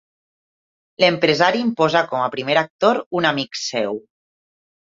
L'empresari imposà com a primer actor un amic seu.